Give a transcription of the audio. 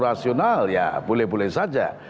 rasional ya boleh boleh saja